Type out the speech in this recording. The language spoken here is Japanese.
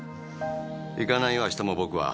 行かないよ明日も僕は。